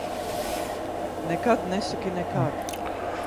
Nekad nesaki nekad!